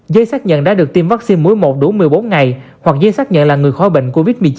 giấy xác nhận đã được tiêm vaccine mũi một đủ một mươi bốn ngày hoặc giấy xác nhận là người khói bệnh covid một mươi chín